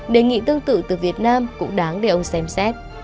đề nghị tương tự từ việt nam cũng đáng để ông xem xét